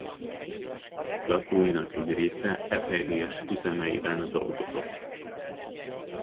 Lakóinak egy része Eperjes üzemeiben dolgozott.